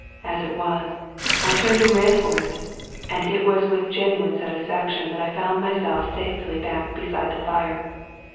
As it was, I turned and ran for it ; and it was with genuine satisfaction that I found myself safely back beside the fire.